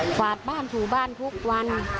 กวาดบ้านถูบ้านทุกวัน